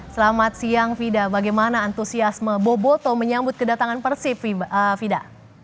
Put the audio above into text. selamat siang fida bagaimana antusiasme boboto menyambut kedatangan persib fida